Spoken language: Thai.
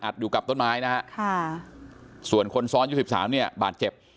อยู่กับต้นไม้นะฮะค่ะส่วนคนซ้อนยุค๑๓เนี่ยบาดเจ็บ